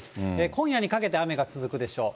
今夜にかけて雨が続くでしょう。